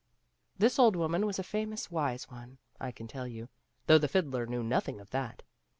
*' This old woman was a famous wise one, I can tell you, though the fiddler knew nothing of that.